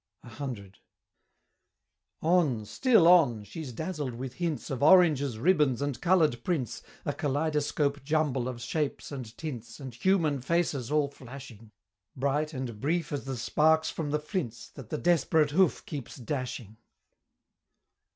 C. On! still on! she's dazzled with hints Of oranges, ribbons, and color'd prints, A Kaleidoscope jumble of shapes and tints, And human faces all flashing, Bright and brief as the sparks from the flints, That the desperate hoof keeps dashing!